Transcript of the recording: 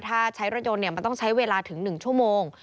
ถ้าใช้รถยนต์มันต้องใช้เวลาถึง๑ชั่วโมง